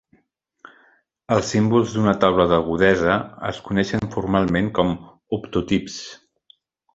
Els símbols d'una taula d'agudesa es coneixen formalment com "optotips".